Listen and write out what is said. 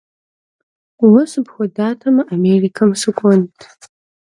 Уэ сыпхуэдатэмэ, Америкэм сыкӀуэнт.